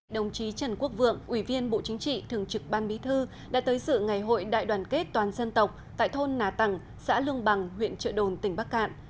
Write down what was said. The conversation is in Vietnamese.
đồng chí trần quốc vượng ủy viên bộ chính trị thường trực ban bí thư đã tới sự ngày hội đại đoàn kết toàn dân tộc tại thôn nà tẳng xã lương bằng huyện trợ đồn tỉnh bắc cạn